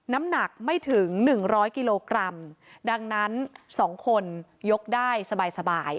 น้ำหนักไม่ถึง๑๐๐กิโลกรัมดังนั้น๒คนยกได้สบาย